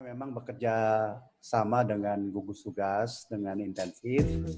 memang bekerja sama dengan gugus tugas dengan intensif